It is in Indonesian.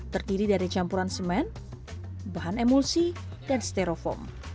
terdiri dari campuran semen bahan emulsi dan sterofoam